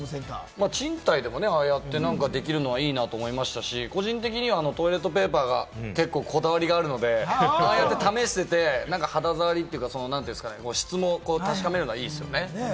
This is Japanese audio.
賃貸でもできるのはいいなと思いましたし、個人的にはトイレットペーパーに結構こだわりがあるので、ああやって試せて、肌触りというか、質も確かめられるのは、いいですよね。